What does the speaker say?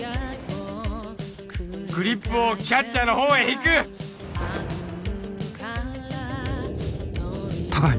グリップをキャッチャーの方へ引く高い